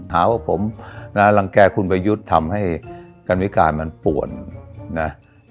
หาว่าผมนะรังแก่คุณประยุทธ์ทำให้การวิการมันป่วนนะ